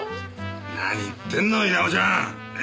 何言ってんの稲尾ちゃん！ね？